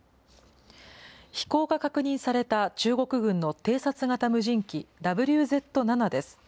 飛行が確認された、中国軍の偵察型無人機、ＷＺ７です。